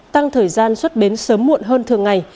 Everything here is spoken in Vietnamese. tăng thời gian xuất bến sớm muộn hơn thường ngày